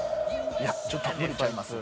いやちょっと無理ちゃいます？